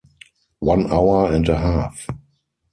One hour and a half.